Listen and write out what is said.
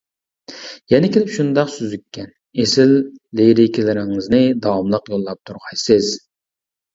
يەنە كېلىپ شۇنداق سۈزۈككەن، ئېسىل لىرىكىلىرىڭىزنى داۋاملىق يوللاپ تۇرغايسىز.